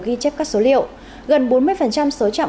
ghi chép các số liệu gần bốn mươi số trạm